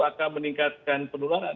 akan meningkatkan penularan